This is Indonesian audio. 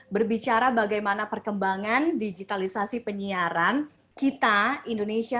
berbicara bagaimana perkembangan digitalisasi penyiaran kita indonesia